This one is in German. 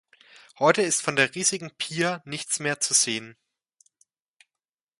Heute ist von der riesigen Pier nichts mehr zu sehen.